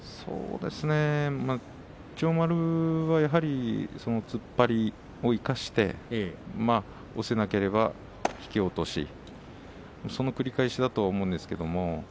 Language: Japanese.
千代丸はやはり突っ張りを生かして押せなければ引き落としその繰り返しだと思います。